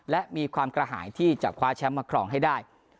และมีความกระหายที่จะคว้าแชมป์มาครองให้ได้